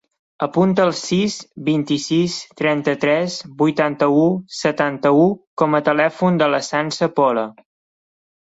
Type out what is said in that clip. Apunta el sis, vint-i-sis, trenta-tres, vuitanta-u, setanta-u com a telèfon de la Sança Pola.